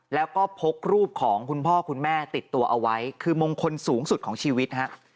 แล้วก็พกรูปของคุณพ่อคุณแม่ติดตัวเอาไว้คือมงคลสูงสุดของชีวิตฮะ